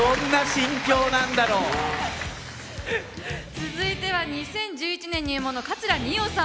続いては２０１１年入門の桂二葉さん